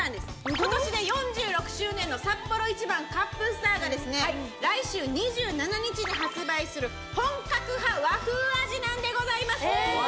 今年で４６周年のサッポロ一番カップスターが来週２７日に発売する本格派和風味なんでございます